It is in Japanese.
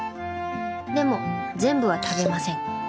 でも全部は食べません。